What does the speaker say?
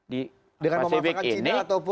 di pasifik ini